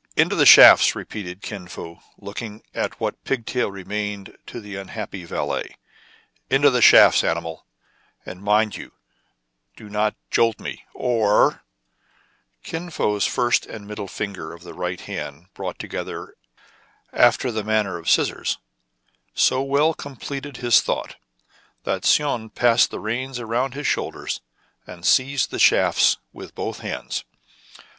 " Into the shafts !" repeated Kin Fo, looking at what pigtail remained to the unhappy valet. " Into the shafts, animal ! and mind you do not jolt me, or" — Kin Fo*s first and middle finger of the right hand, brought together after the manner of scis sors, so well completed his thought, that Soun passed the reins around his shoulders, and seized the shafts with both hands.